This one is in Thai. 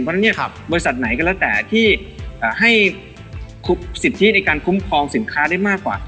เพราะฉะนั้นเนี่ยบริษัทไหนก็แล้วแต่ที่ให้สิทธิในการคุ้มครองสินค้าได้มากกว่า